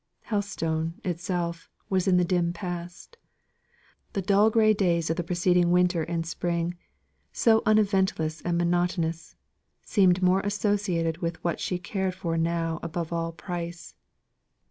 Helstone, itself, was in the dim past. The dull gray days of the preceding winter and spring, so uneventless and monotonous, seemed more associated with what she cared for now above all price.